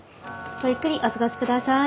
ごゆっくりお過ごしください。